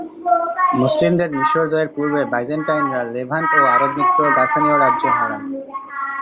মুসলিমদের মিশর জয়ের পূর্বে বাইজেন্টাইনরা লেভান্ট ও আরব মিত্র গাসানিয় রাজ্য হারায়।